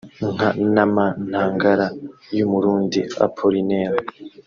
nka “Nama ntangara” y’umurundi Appollinaire